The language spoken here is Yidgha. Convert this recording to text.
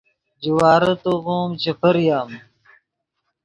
جوارے توغیم چے پریم